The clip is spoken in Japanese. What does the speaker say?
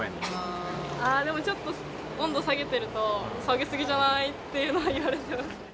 あー、でも温度下げてると、下げすぎじゃない？っていうのは言われてます。